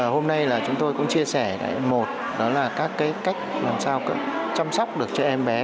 hôm nay là chúng tôi cũng chia sẻ một đó là các cái cách làm sao chăm sóc được cho em bé